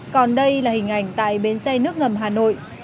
còn đây là hình ảnh tại bến xe nước ngầm hà nội